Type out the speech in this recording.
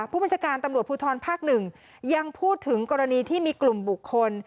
ผู้บัญชาการตำรวจภูทรภาค๑ยังพูดถึงกรณีที่มีกลุ่มบุคคล